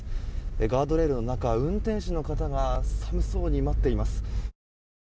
ガードレールの中運転手の方が寒そうに待っています。